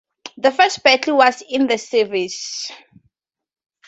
The first battle was indecisive.